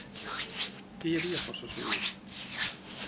Què hi havia força sovint?